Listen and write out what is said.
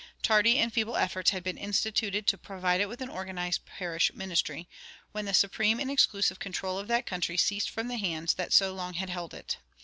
Tardy and feeble efforts had been instituted to provide it with an organized parish ministry, when the supreme and exclusive control of that country ceased from the hands that so long had held it.